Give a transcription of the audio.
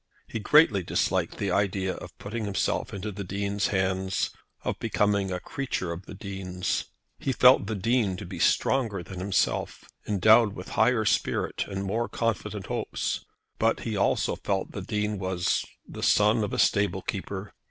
He greatly disliked the idea of putting himself into the Dean's hands; of becoming a creature of the Dean's. He felt the Dean to be stronger than himself, endowed with higher spirit and more confident hopes. But he also felt that the Dean was the son of a stable keeper.